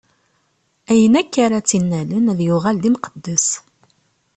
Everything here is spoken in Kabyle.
Ayen akk ara tt-innalen ad yuɣal d imqeddes.